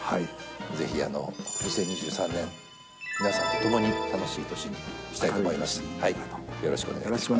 ぜひ２０２３年、皆さんと共に楽しい年にしたいと思います。